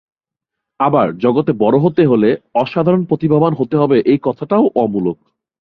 আবার, জগতে বড় হতে হলে অসাধারণ প্রতিভাবান হতে হবে এই কথাটাও অমূলক।